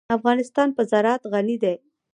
افغانستان په زراعت غني دی.